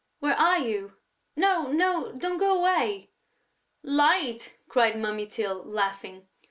Where are you?... No, no, don't go away...." "Light!" cried Mummy Tyl, laughing.